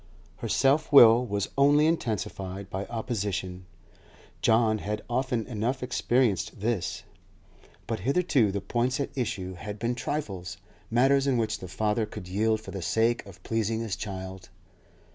Her self will was only intensified by opposition. John had often enough experienced this, but hitherto the points at issue had been trifles, matters in which the father could yield for the sake of pleasing his child.